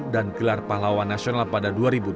dan gelar pahlawan nasional pada dua ribu dua belas